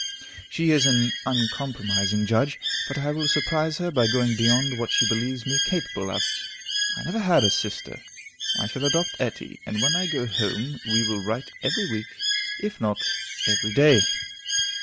She is an uncompromising judge, but I will surprise her by going beyond what she believes me capable of. I never had a sister; I shall adopt Etty, and when I go home, we will write every week, if not every day.